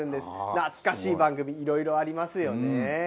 懐かしい番組、いろいろありますよねぇ。